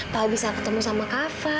kalau bisa ketemu sama kava